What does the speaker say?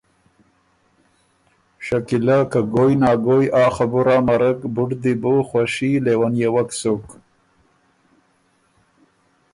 شکیله که ګویٛ نا ګویٛ آ خبُره امرک بُډ دی بو خوشی لیونئېوک سُک